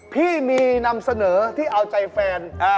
พี่มีนำเสนอที่เอาใจแฟน